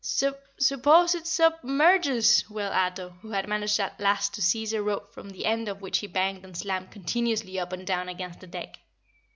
"Su suppose it su submerges?" wailed Ato, who had managed at last to seize a rope from the end of which he banged and slammed continuously up and down against the deck.